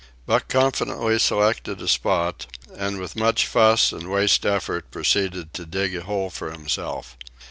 Buck confidently selected a spot, and with much fuss and waste effort proceeded to dig a hole for himself.